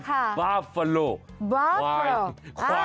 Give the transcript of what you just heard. ค่ะบาฟาโลควายควายควายควายควายควายควาย